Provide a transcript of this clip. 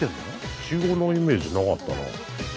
イチゴのイメージなかったな。